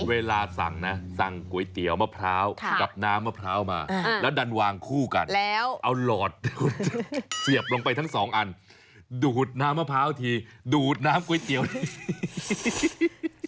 เวลาสั่งนะสั่งก๋วยเตี๋ยวมะพร้าวกับน้ำมะพร้าวมาแล้วดันวางคู่กันแล้วเอาหลอดเสียบลงไปทั้งสองอันดูดน้ำมะพร้าวทีดูดน้ำก๋วยเตี๋ยวที